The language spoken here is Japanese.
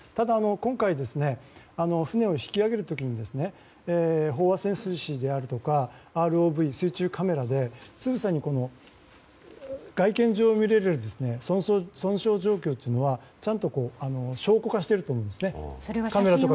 今回、船を引き揚げる時に飽和潜水士だとかＲＯＶ・水中カメラで外見上で見れる損傷状況はちゃんと証拠化してると思うんですね。